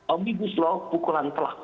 omnibus law pukulan telah